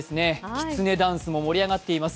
きつねダンスも盛り上がっています。